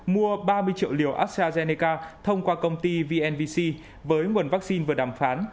mua ba mươi triệu liều astrazeneca thông qua công ty vnvc với nguồn vaccine vừa đàm phán